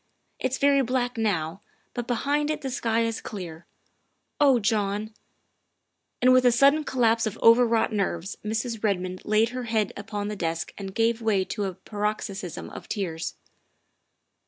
It's very black now, but behind it the sky is clear. Oh John " And with a sudden collapse of overwrought nerves Mrs. Redmond laid her head upon the desk and gave way to a paroxysm of tears.